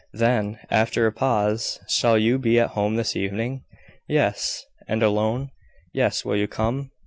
Then, after a pause "Shall you be at home this evening?" "Yes." "And alone?" "Yes. Will you come?"